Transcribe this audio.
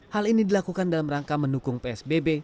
hal ini dilakukan dalam rangka mendukung psbb